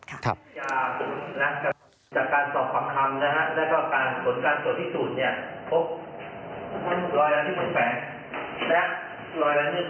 และผลการตรวจการณ์นี้ถึงวิทยาศาสตร์แล้ว